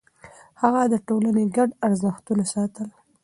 هغه د ټولنې ګډ ارزښتونه ساتل.